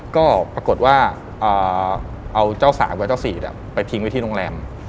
ก็ปรากฏว่าเอาเจ้าสาววัยเจ้าสี่ดไปทิ้งไว้ที่โรงแรม